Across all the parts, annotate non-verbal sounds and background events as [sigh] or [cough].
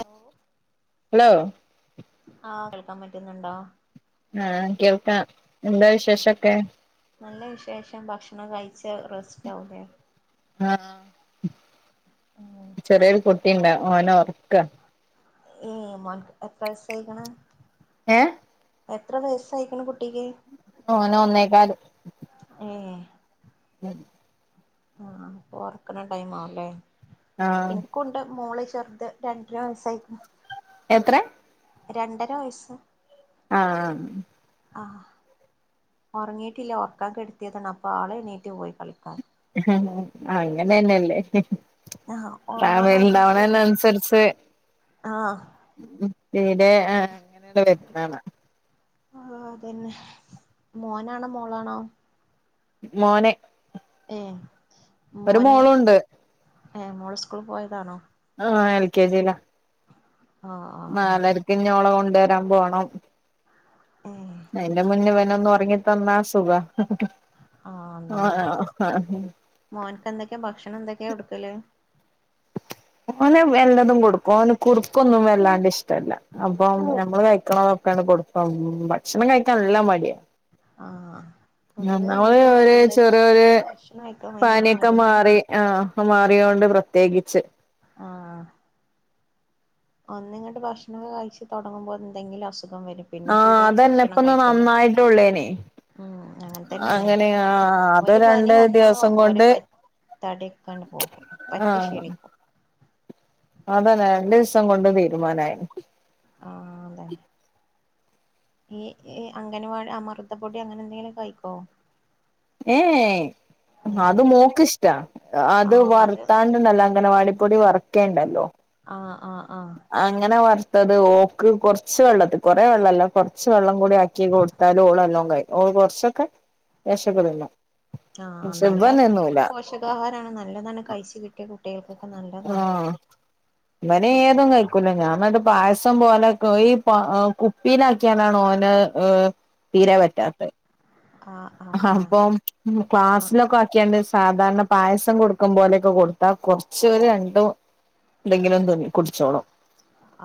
Hello hello ആഹ് കേൾക്കാൻ പറ്റുന്നുണ്ടോ ആഹ് കേൾക്കാ എന്താ വിശേഷൊക്കെ നല്ല വിശേഷം ഭക്ഷണം കഴിച്ച റെസ്റ്റ് ആവൂല്ലേ ആഹ് ഉം ചെറിയൊരു കുട്ടിണ്ടാ ഒന് ഉറക്കാ ഏഹ് മോനുക്ക് എത്ര വയസായ്ക്ക്‌ണ് ഏഹ് എത്ര വയസ്സായ്ക്ക്‌ണ് കുട്ടിക്ക്? ഓന് ഒന്നേകാല് ഏഹ് ഉം ആഹ് ഒറക്ക്‌ണ ടൈം ആവ്ല്ലേ ആഹ് ഇൻക്കും ടെ മോള് ചെറുദ് രണ്ടര വയസ്സായ്ക്ക്‌ണു എത്ര രണ്ടര വയസ്സ് ആഹ് ആഹ് ആഹ് ഒറങ്ങിട്ടില്ല ഒറക്കാൻ കെട്ത്തിയതാണ് അപ്പ ആളെണ്ണിറ്റ് പോയി കളിക്കാൻ. ആഹ് അങ്ങനെ അന്നെല്ലേ ആഹ് ആഹ് ഒറങ്ങാൻ ഭയങ്കര വലുതാവണെന് ബുദ്ധി അനുസരിച്ച് ആഹ് ഉം തീരെ ആഹ് അങ്ങനെള്ള വരുന്നകാണാം ആഹ് അദന്നെ മോനാണോ മോളാണോ മോന് ഏഹ് ഒരു മോന് മോളുണ്ട് ഏഹ് മോള് സ്കൂൾ പോയതാണോ ആഹ് എൽ കെ ജിലാ ആഹ് ആഹ് ആഹ് നാലരക്ക് ഞ്ഞി ഓളെ കൊണ്ട്വരാൻ പോണം. ഏഹ് അയ്ന്റെ മുന്നേ ഇവനൊന്ന് ഒറങ്ങി തന്നാ സുഖ ആഹ് അദന്നെ മോനക്ക് എന്തൊക്കെയാ ഭക്ഷണം എന്തൊക്കെയാ കൊടുക്കല് ഓന് എല്ലതും കൊടുക്കും ഓന് കുറ്ക്കൊന്നും വല്ലാണ്ട് ഇഷ്ട്ടല്ല അപ്പൊ നമ്മള് കയ് ക്ക്‌ണതൊക്കെങ്ങട് കൊട്ക്കും ഭക്ഷണം കയ്ക്കാ നല്ല മടിയാ ആഹ് പൊതുവേ ഒന്നാമത് അങ്ങനെ തന്നെ ഒര് പിള്ളേർക്ക് ചെറിയൊര് ഭക്ഷണം കഴിക്കാൻ ഭയങ്കര പനിയൊക്കെ മടി മാറി ആഹ് ഇപ്പ മാറിയൊണ്ട് പ്രത്യേഗിച്ച് ആഹ് ഒന്നിങ്ങട്ട് ഭക്ഷണൊക്കെ കഴിച്ച് തൊടങ്ങുമ്പോ എന്തെങ്കിലും അസുഖം വരും പിന്നെ ആഹ് തിരെ അതന്നെ ഭക്ഷണം ഇപ്പൊന്ന് കഴ്ക്കൂല നന്നായിട്ടുള്ളേനെ ഉം അങ്ങനെ തന്നെയാണെ അങ്ങനെ ആഹ് അത് ഒര് പനി രണ്ട് വന്നാ ദിവസം ഒരെ കൊണ്ട് പാ തടിയൊക്കാണ്ട് പോകും പറ്റ ആഹ് ഷിണിക്കും അതന്നെ രണ്ടീസം കൊണ്ട് തീരുമാനായി. ആഹ് അതന്നെ. ഈ ഇ അംഗനവാടി അമൃത പൊടി അങ്ങനെ എന്തെങ്കിലു കഴ്ക്കോ? ഏയേ അത് ഏഹ് മോക്ക് ഇഷ്ട്ടാ. അത് വർത്താണ്ട് ണ്ടല്ല അംഗനവാടിപ്പൊടി വറുക്കേണ്ടല്ലോ? ആഹ് ആഹ് ആഹ് അങ്ങനെ വർത്തത് ഓക്ക് കൊർച്ച് വെള്ളത്തി കൊറെ വെള്ളല്ല കൊർച്ച് വെള്ളം കൂടി ആക്കി കൊട് ത്താല് ഓള് നല്ലോം കയ് ഓള് കൊർച്ചൊക്കെ ലേശൊക്കെ തിന്നും. ആഹ് പക്ഷെ നല്ല ഇവൻ തിന്നൂല പോഷകാഹാരാണ് നല്ലതാണ് കഴ്ച്ച് കിട്ടിയാ കുട്ടികൾക്കൊക്കെ നല്ലതാണ്. ആഹ് ഇവന് ഏതും കഴ്ക്കൂല ഞാൻ ഇന്നട്ട് പായസം പോലെ ക്ക്‌ ഈ പ കുപ്പിയിലാക്കിയാണ്ടാണ് ഓന് ഏഹ് തീരെ പറ്റാത്തത്. ആഹ് ആഹ് ആഹ് ഹപ്പം ഉം ആഹ് ക്ലാസ്സിലൊക്കെ ആക്കിയാണ്ട് സാധാരണ പായസം കൊടുക്കും പോലെയൊക്കെ കൊടുത്താ കൊറച്ച് ഒര് രണ്ട് ഇതെങ്കിലും തിം കുടിച്ചോളും.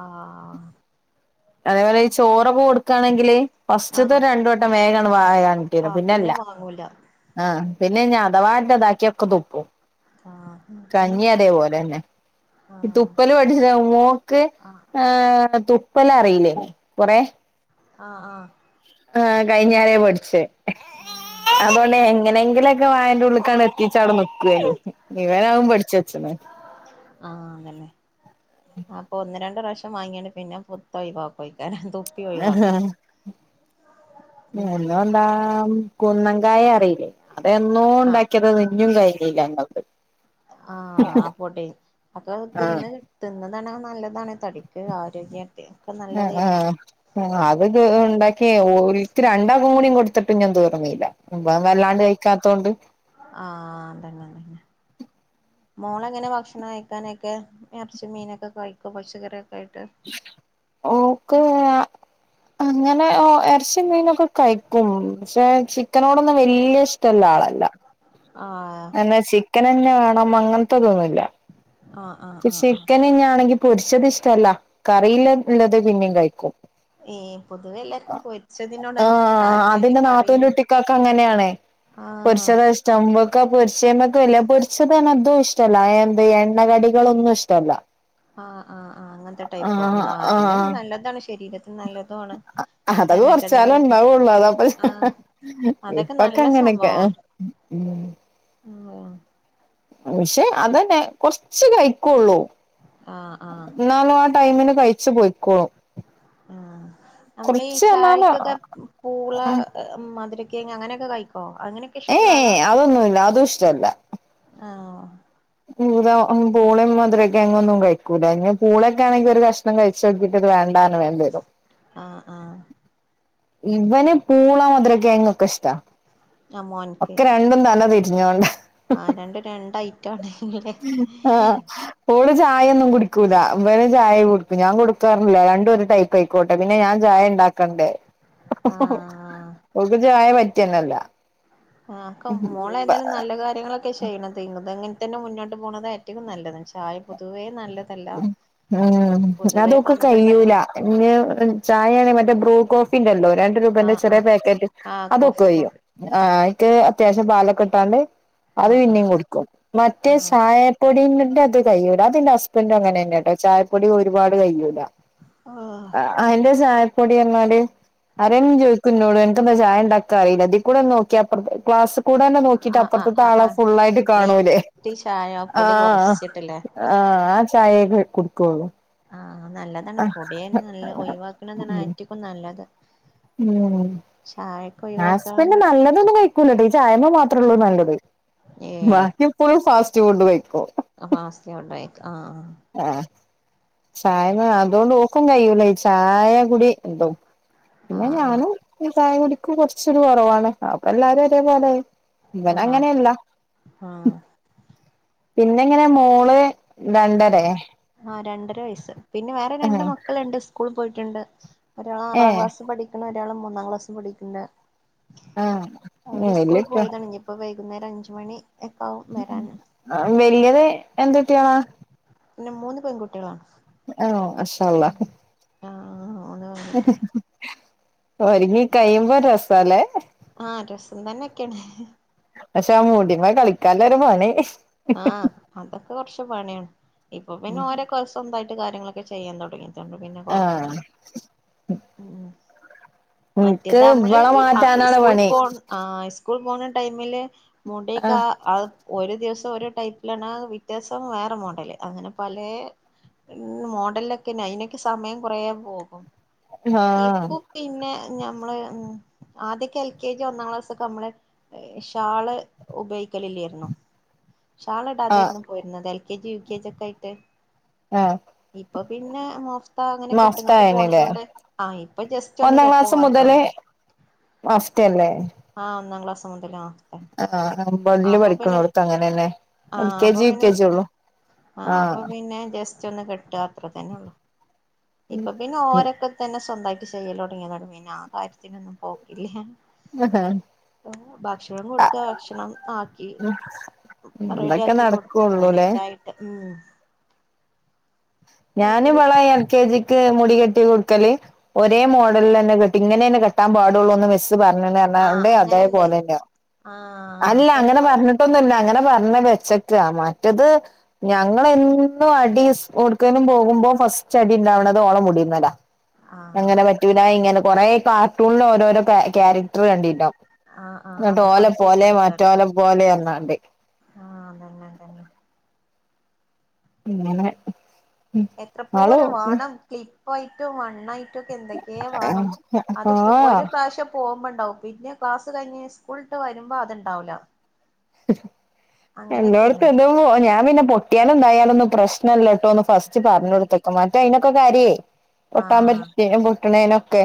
ആഹ് അതേ പോലെ ഈ ചോറൊക്കെ കൊട്ക്കാണെങ്കില് ഫസ്റ്റ് ത്തെ ആഹ് രണ്ട് വട്ടം വേഗാണ് വായ കാണ് ച്ചരും. ആഹ് പിന്നെ ല്ല. വാങ്ങൂല ആഹ് പിന്നെ ഞ് അഥവാറ്റെ ഇതാക്കിയാ ഒക്കെ തുപ്പും. ആഹ് പിന്നെ കഞ്ഞി അതേപോലെന്നെ ഇ ആഹ് തുപ്പല് പഠിച്ച്ണ മോക്ക് ആഹ് ഏഹ് തുപ്പലറീല്ലേനി കൊറേ ആഹ് ആഹ് ആഹ് കഴിഞ്ഞാരെ പഠ്ച്ചത്. അതൊണ്ട് എങ്ങനെങ്കിലൊ ക്കെ വായന്റുള്ള്ക്കാണ്ട് എത്തിച്ചാ അവിടെ നിക്ക്വേനി. ഇവനവും പഠിച്ചെച്ണ്. ആഹ് അതന്നെ. അപ്പൊ ഒന്ന് രണ്ട് റാശ്യം വാങ്ങിയാണ്ട് പിന്നെ പുത്തൊയിവാക്കോയിക്കാരം തു ആഹാ. ഉം നല്ലോ ആഹ് കുന്നങ്കായറിയില്ലേ ആഹ് അതെന്നോണ്ടാക്കിയത് ഞ്ഞും കയിഞ്ഞീല്ല ഞങ്ങൾത്. ആഹ്. ആ പൊടി. മക്കൾ ആഹ് തിന്ന് തിന്നതാണെ നല്ലതാണെ തടിക്ക് ആരോഗ്യാ അഹ് ആഹ് ആഹ് അത് ത് ഇണ്ടാക്കി ഓൽക്ക് രണ്ടാ കൂടിം കൊടുത്തിട്ടും ഞ്ഞും തീർന്നീല്ല ഇവൻ വല്ലാണ്ട് കഴിക്കാത്തൊണ്ട്. ആഹ് അതന്നെ അതന്നെ മോളെങ്ങനെ ഭക്ഷണം കഴിക്കാനൊക്കെ? എറച്ചിം മീനൊക്കെ കഴിക്കൊ. പച്ചക്കറിയൊക്കായ്ട്ട്. ഓക്ക് ഞാ അങ്ങനെ ഓഹ് എറച്ചിം മീനൊക്കെ കഴിക്കും പക്ഷെ ചിക്കനോടൊന്നും വല്യ ഇഷ്ടല്ല ആളല്ല. ആഹ് പിന്നെ ചിക്കനെന്നെ വേണം അങ്ങൻത്തതൊന്നുല്ല ആഹ് ആഹ് ഇ ആഹ് ആഹ് ചിക്കനെന്ന്യാണെങ്കി പൊരിച്ചത് ഇഷ്ടല്ല കറീല് ഇല്ലത് പിന്നിം കഴിക്കും ഏഹ് പൊതുവെ എല്ലാർക്കും പൊരിച്ചതിനോടാണ് ആഹ് താല്പര്യം. അതിന്റെ നാത്തൂന്റെ കറീല് ആഹ് ച്ചതാഷ്ടം. ഇവക്കാ പൊരിച്ചേമ്മക്ക് വല്യ, പൊരിച്ചത് പറഞ്ഞാ ഇതുഷ്ടല്ല. എന്ത് എണ്ണ കടി കളൊന്നുഷ്ടല്ല ആഹ് ആഹ് ആഹ് അങ്ങൻത്തെ ടൈപ്പോ. ന്നാ അതന്നെ ആഹ് നല്ലതാണ് ശരീരത്തിന് നല്ലതു ആണ്. അഹതൊക്കെ കുറച്ച്കാലം എണ്ണക്കടികളൊക്കെ ഇണ്ടാവൊള്ളു അതാപ്പത്. ആഹ് അതൊക്കെ ഇപ്പൊക്കെ നല്ല അങ്ങനൊക്കെ സംഭവാണ് ഉം [unintelligible] പക്ഷെ അതന്നെ കൊറച്ച് കഴിക്കൊള്ളൂ ആഹ് ആഹ് ന്നാലും ആ ടൈമിന് കഴിച്ചു പൊയ്ക്കോളും. ആ നമ്മളീ എന്നാലും ചായക്കൊക്കെ പൂള മതിരി കിഴങ്ങ് അങ്ങനൊക്കെ കഴിക്കോ? അങ്ങനെക്കെ ഇഷ്ടള്ള ആളാ? ഏഹ് അതൊന്നുല്ല അതും ഇഷ്ടല്ല ആഹ്. പൂത പുളേം മധുരകിഴങ്ങൊന്നും കഴിക്കൂല. [unintelligible] പൂളൊക്കെ ആണെങ്കിൽ ഒരു കഷ്ണം കഴിച്ചോക്കീട്ട് വേണ്ട [unintelligible] ആഹ് ആ. ഇവന് പൂള മധുരക്കിഴങ്ങൊക്കെഷ്ടാ ആ മോൻക്ക് ഒക്കെ രണ്ടും തല തിരിഞ്ഞോണ്ട. ആ രണ്ടും രണ്ടായി ട്ടാണ് ല്ലേ. ആ ഓള് ചായൊന്നും കുടിക്കൂല. ഇവന് ചായ കുടിക്കും. ഞാൻ കൊടുക്കാറില്ല. രണ്ടും ഒരു ടൈപ്പ് ആയിക്കോട്ടെ. പിന്നെ ഞാൻ ചായണ്ടാക്കണ്ടേ. ആഹ് ഓക്ക് ചായ പറ്റെന്നല്ല. ആ ക്കും മോളേതായാലും നല്ല കാര്യങ്ങളൊ ക്കെ ചെയ്യ്ണത്. അതങ്ങനെ തന്നെ മുന്നോട്ട് പോകുന്നതാ ഏറ്റവും നല്ലത്. ചായ പൊതുവേ നല്ലത ഉം അതോക്ക് പന്ത്രണ്ട് കഴിയൂല. ഇഞ്ഞ് ചായയാണെങ്കി മറ്റേ ബ്രൂ കോഫിണ്ടല്ലോ രണ്ട് രൂപന്റെ ആഹ് ചെറിയ ആഹ് പാക്കറ്റ്. ആഹ് അതോക്ക് കോഫി കയ്യും. കോഫി ആയ്ക്ക് അത്യാവശ്യം പാലൊക്കെ ഇട്ടാണ്ട് അത് ആഹ് പിന്നിം കുടുക്കും. ആഹ് മറ്റേ ആഹ് ചായ പൊടിന്റത് കൈയൂല. അതിന്റെ ഹസ്ബൻഡ അങ്ങനെന്നെട്ടോ ചായപ്പൊടി ഒരുപാട് കൈയൂല. ആഹ്. അയിന്റെ ചായപ്പൊടി എങ്ങാട്. ആര ന്ന ചോയ്ക്കുന്നോട് അനക്ക്ന്താ ചായണ്ടാക്കാ അറീലെ. ഇതീകൂടെ ണ്ട് നോക്കിയ അപ്റ ക്ലാസ്, കൂടെന്നെ നോക്കിട്ട് ആഹ് ആഹ് ആഹ് അപ്പറത്ത്താളെ ആഹ് ഫുള്ളായിട്ട് കാണൂല്ലേ ലൈറ്റ് ചായ പൊടി ആഹ് കൊറച്ചിട്ടില്ലേ ആഹ്. ചായേക്കെ കുടിക്കൊള്ളൂ. ആഹ് ആ നല്ലതാണ്. പൊടിയെ നല്ല ഒയിവാക്കണതാണ് ഉം ആറ്റകും നല്ലത്. ഉം. ചായ് ഹസ്ബന്റ് നല്ലതൊന്നും കഴിക്കൂലട്ടോ. ഈ ചായ്മ്മേ മാത്രൊള്ളൂ നല്ലത്. ഏഹ് വാക്യോ എപ്പഴും ഫാസ്റ്റ് ഫുഡ് കഴിക്കും. ഫാസ്റ്റ് ഫുഡ്യ്ക്കും. ആഹ് ആഹ്. ആഹ്. ചായ അതോണ്ട് ഓക്കും കയുല്ല. ഈ ചായ കുടി എന്തോ. പിന്നെ ആഹ് ഞാനും ചായകുടിക്ക് കൊറച്ചരു കൊറവാണ്. അപ്പൊ എല്ലാരും ഒരേ പോലായി. ആഹ് ആ. ആ പിന്ന എങ്ങനെ മോള്, രണ്ടരേ? ആഹ് രണ്ടര വയസ്സ്. പിന്നെ വേറെ രണ്ട് ആഹ് മക്കള്ണ്ട് ഇസ്കൂള് പോയിറ്റ്ണ്ട്. ഒരാള് ആറാം ഏഹ് ക്ലാസ്സ് പഠികണ്, ഒരാള് മൂന്നാം ക്ലാസില് പഠിക്കന്ന്. ആഹ് അവര് ഇസ്കൂള് വല്യകുട്ടിയാ പോയതാണ്. ഇഞ്ഞപ്പോ വൈകുന്നേര അഞ്ചു മണി എക്കാവും വരാന്. വെല്യത് എന്തുട്ട്യേള? [unintelligible] മൂന്ന് പെങ്കുട്ടോളാ. ആഹ് ഇൻഷാ അല്ലാഹ്. ആഹ്. മൂന്ന് പെൺകുട്ടി ഒരിങ്ങി കയുമ്പോ രസാല്ലേ. ആഹ് രസം തന്നെക്കേണ്. പശേ ആ മൂടമ്മെ കളിക്കാല്ലൊരു പണി. ആഹ് അതൊക്കെ കൊറച്ച് പണ്യാണ്. ഇപ്പൊ പിന്നെ ഓരോക്കെ സൊന്തായിട്ട് കാര്യങ്ങളൊക്കെ ചെയ്യാൻ തൊടങ്ങി. ആഹ്. ഉം. എനിക്ക് മറ്റേതാ അമ്മള് ഇവളെ ഇ അ മാറ്റാനാണ് ഇസ്കൂള് പണി പോണ ആഹ് ഇസ്കൂള് പോണ ടൈമില് ആ മൂട്യൊക്കെ ആഹ് ആഹ് ഒരു ദിവസം ഒരു ടൈപ്പിലാണ, പിറ്റേസം വേറെ മോഡല്. അങ്ങനെ പലേ ഉം മോഡലൊക്കെന്ന അയിനൊക്കെ സമയം കൊറേ പോകും. ആഹ് ഇപ്പൊ പിന്നെ ഞമ്മള് ആദ്യൊക്കെ എൽ കെ ജി ഒന്നാം ക്ലാസ് ഒക്കെ അമ്മള്. ഷാള് ഉപോയിഗിക്കലില്ലായിരുന്നു. ഷാള് ആ ഇടാതെരുന്നു പോയിരുന്നത് L K G U K G ഒക്കെ ആയിട്ട്. ആഹ് ഇപ്പൊ പിന്നെ മഫ്ത അങ്ങനൊക്കെ മഫ്ത ഇട്ട്ങ്ങാണ്ട് ആയിനല്ലേ പോണതോണ്ട്. ആഹ് ഇപ്പൊ ജസ്റ്റൊന്ന് ഒന്നാം കെട്ട് ക്ലാസ് മാത്രൊള്ളൂ. മുതല് മഫ്തല്ലേ ആഹ് ഒന്നാം ക്ലാസ് മുതല് ആഹ്. ആ ഒമ്പതില് അപ്പൊ പിന്നെ പഠിക്കണോടത്ത് അങ്ങനെന്നെ എൽ ആഹ് കെ അപ്പൊ ജി യു പിന്നെ. കെ ജി ഉള്ളു ആ ആഹ് അപ്പൊ പിന്നെ ജസ്റ്റോന്ന് കെട്ട അത്ര തന്നൊള്ളൂ ഇപ്പൊ പിന്നെ ഓരൊക്കെ. തന്നെ സ്വന്തായിട്ട് ചെയ്യലൊടങിയതാണ് പിന്നെ ആഹ് കാര്യത്തിനൊന്നും പോക്കില്ല. ഉഹ്. ഭക്ഷണം കൊടുക്ക ഭക്ഷണം ആക്കി. അതൊക്കെ റെഡ്യാക്കി കൊടുക്ക നടക്കുള്ളൂല്ലേ അങ്ങനൊക്കായിട്ട് ഉം ഞാന് ഇവള എൽ കെ ജിക്ക് മുടി കെട്ടി കൊടുക്കല് ഒരേ മോഡലിൽ തന്നെ കെട്ട് ഇങ്ങനെ തന്നെ കെട്ടാൻ പാടുള്ളൂന്ന് മിസ്സ് പറഞ്ഞന്ന് പറഞ്ഞു കൊണ്ട് അതേപോലെ തന്നെയാ. ആഹ് അല്ല അങ്ങനെ പറഞ്ഞിട്ടൊന്നുമില്ല അങ്ങനെ പറഞ്ഞ് വെച്ചിട്ടാ മറ്റത് ഞങ്ങള് എന്നും അടി കൊടുക്കലും പോകുമ്പോ ഫസ്റ്റ് അടി ഉണ്ടാവണത് ഓള മുടിമേലാ ആ അങ്ങനെ പറ്റൂല ഇങ്ങനെ കൊറേ കാർട്ടൂണില് ഓരോരോ ക്യാരക്ടർ കണ്ടീണ്ടിം ആ ആ എന്നിട്ട് ഓല അതുപോലെ ചെയ്ത് പോലെ മറ്റോല പോലെ ഒന്നാണ്ട് ആഹ് അത് തന്നെ തന്നെ ഇങ്ങനെ എത്ര പോര വാണം ക്ലിപ്പായിറ്റും വണ്ണായി എന്തൊക്കെയോ വേണം അത് ആഹ് ഒരു പ്രാവശ്യം പോകുമ്പോ ഉണ്ടാവും പിന്നെ ക്ലാസ് കഴിഞ്ഞ് സ്കൂളി വിട്ട് വരുമ്പോൾ അതുണ്ടാവില്ല. അങ്ങനെയൊക്കെയാണ് എന്റോടത്ത് എന്തോ ഞാൻ പിന്നെ പൊട്ടിയാലും എന്തായാലു ഒന്നും പ്രശ്നല്ല കേട്ടോ ഒന്ന് ഫസ്റ്റ് പറഞ്ഞ കൊടുത്തേക്കും മറ്റേ അതിനൊക്കെ കരയും. ആഹ് പൊട്ടാപറ്റി പൊട്ടണേനൊക്കെ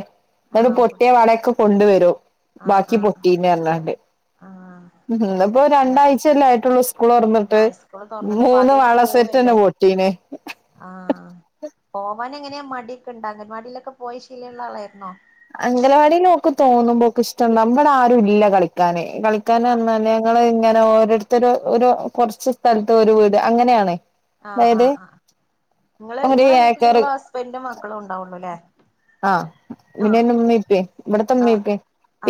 എന്നിട്ട് ആഹ് പൊട്ട പൊട്ടിയ വളയൊക്കെ കൊണ്ട് വരും ആഹ് ബാക്കി ആഹ് പൊട്ടീന്ന് പറഞ്ഞാണ്ട്. ആഹ് ഉം ഇന്നിപ്പോ അങ്ങനെ രണ്ടാഴ്ച അല്ലേ ആയിട്ടുള്ളു സ് ളു തുറന്നിട്ട് ആഹ് സ്കൂള് തുറന്നിട്ട് ഇപ്പ മൂന്ന് ആദ്യായിട്ട് വള സെറ്റ് തന്നെ പോവല്ലേ പൊട്ടിനേ ആഹ് പോവൻ എങ്ങനെയാ മടിയൊക്കെ ഉണ്ടേ അങ്കൻവാടിയിലൊക്കെ പോയി ശിലയുള്ള ആളായിരുന്നോ? അംഗലവാടി ഓല്ക്ക് തോന്നുമ്പോ ഒക്കെ ഇഷ്ട നമ്മുടെ ആരും ഇല്ല കളിക്കാന് കളിക്കാൻ ആഹ് പറഞ്ഞാല് ള് ഇങ്ങനെ ഓരോരുത്തര് ഒരു കുറച്ച് സ്ഥലത്ത് ഒരു വീട് അങ്ങനെയാണ്. ആഹ് അതായത് ആഹ്ആഹ് നിങ്ങള് ഒരു നിങ്ങളെ വീട്ടിൽ ഏക്കർ നിങ്ങടെ ഹസ്ബൻ്റും മക്കളും ഉണ്ടാവുള്ളൂ അല്ലേ? ആഹ് പിന്നെ ഉമ്മിപ്പയുംഇവിടത്തെ ആഹ് ഉമ്മിപ്പയും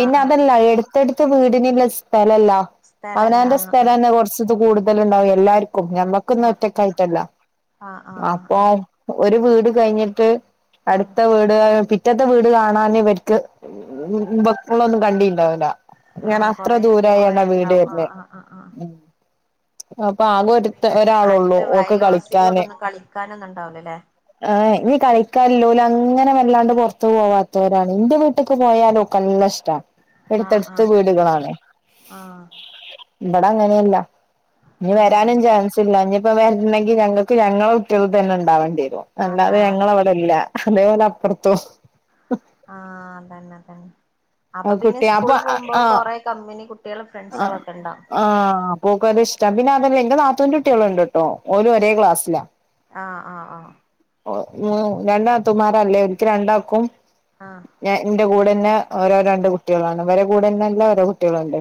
ആഹ് ആഹ് അതല്ല എടുത്തെടുത്ത് വീടിനുള്ള സ്ഥലവില്ല സ്ഥലല്ല അവനന്റെ ആഹ് സ്ഥല ആഹ് തന്നെ കുറച്ച് കൂടുതലുണ്ടാവും എല്ലാർക്കും ഞമ്മക്കൊന്നും ആഹ് ഒറ്റക്കായിട്ടല്ല ആഹ് ആഹ് അപ്പൊ ആഹ് ഒരു വീട് കഴിഞ്ഞിട്ട് ആഹ് ആഹ് അടുത്ത വീട് പിറ്റത്തെ വീട് കാണാനേ പറ്റ വെപ്പുകളൊന്നും കണ്ടിണ്ടാവില്ല ഇങ്ങനെ ആഹ് അത്ര കൊറെ കൊറെ ദൂരായാണ് വീട് ഇണ്ടാവും വരുന്നെ ആഹ് ആഹ് ആഹ്ആഹ് ആകെ അപ്പൊ ഒരുത്ത പിന്നെ ഒരാളൊള്ളൂ അടുത്ത ഓക്ക് വയൽവാസികളൊക്കെ ഒന്ന് കളിക്കാൻ ഒന്നും ഉണ്ടാവില്ല അല്ലേ ആഹ് കളിക്കാലെല്ലൂല അങ്ങനെ വല്ലാണ്ട് പുറത്തു പോവാത്തവരാണ് എന്റെ വീട്ടേക്ക് പോയാലോ ക്കെല്ല ഇഷ്ടാണ് ആഹ് എടുത്തെടുത്ത് ആഹ് വീടുകളാണ് ആഹ് ഇവിടെ അങ്ങനെയല്ല ഇനി ആഹ് വരാനും ചാൻസില്ല ഇ ഇപ്പം വരണങ്കിൽ ഞങ്ങൾക്ക് ഞങ്ങടെ കുട്ടികൾ തന്നെ ഉണ്ടാവേണ്ടി വരും അല്ലാതെ അതാ അത ഞങ്ങളെ അവിടെ ഇല്ല. അതെപ്പോലെ അപ്പുറത്തും. ആഹ് തന്നെ അതന്നെ ആ അപ്പൊ പിന്നെ കുട്ടി അപ്പൊ സ്കൂളി പോകുമ്പോ ആഹ് കൊറേ ആഹ് കമ്പനി കുട്ടികളും ഫ്രണ്ട്സുകളൊക്കെ ഉണ്ടാവും. മോൾക്ക് അത് ഇഷ്ടാ പിന്നെ അതല്ല എന്റെ നാത്തുന്റെ കുട്ടികൾ ഉണ്ട് കേട്ടോ ഓര് ഒരേ ക്ലാസ്സിലാ. ആഹ് ആഹ് ആഹ് ഓ ഉം രണ്ട് നാത്തൂമാരല്ലേ ഓര്ക്ക് രണ്ടാൾക്കും ആഹ് ഞാൻ എന്റെ കൂടെ തന്നെ ഓരോ രണ്ട് കുട്ടികളാണ്. അവരെ കുടെന്നല്ല ഓരോ കുട്ടികളുണ്ട്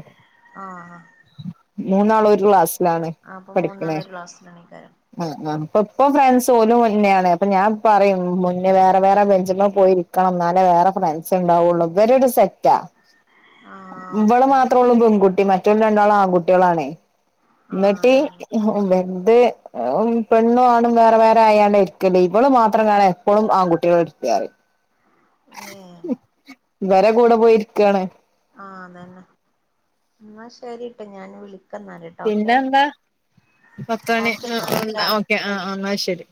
ആഹ് ആഹ് മൂന്നാളും ഒരു ക്ലാസ്സിലാണ്. ആഹ് അപ്പോൾ മൂന്നാളു പഠിക്കണേ ഒരു ക്ലാസ്സിലാണികാരം. ഇപ്പൊ ഫ്രണ്ട്സ് ഓലും മുന്നെയാണ് അപ്പൊ ഞാൻ പറയും മുന്നേ വേറെ വേറെ ബെഞ്ചിൻമേൽ പോയിരി കണം. എന്നാലേ വേറെ ഫ്രണ്ട്സ് ഉണ്ടാവുള്ളൂ. ഇവര് ഒരു സെറ്റാ ആഹ് ഇവള് ഓക്കെ മാത്ര ഉള്ളൂ പെൺകുട്ടി മറ്റ റ്റേ രണ്ടാളും ആൺകുട്ടികളാണ് ആഹ് എന്നിട്ട് അതന്നെ എന്ത് പെണ്ണു ആണും വേറെ വേറെ ആയാലാ ഇരിക്കല് ഇവള് മാത്രം കാണാ എപ്പോഴും ആൺകുട്ടികൾ ഇരിക്കാല് ഉം. ഇവരെ കൂടെ പോയിരിക്കയാണ്. ആഹ് അത് തന്നെ എന്നാ ശരിട്ടെ ഞാൻ വിളിക്ക പിന്നെന്താ പത്തണി ഓക്കെ എന്നാല് ട്ടോ ഓക്കെ ആഹ് ന്നാ ശരി.